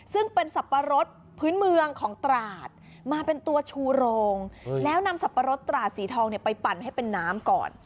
ซึ่งเป็นสับปะรดพื้นเมืองของตราดมาเป็นตัวชูโรงแล้วนำสับปะรดตราดสีทองไปปั่นให้เป็นน้ำก่อน